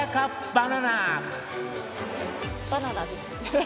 バナナです。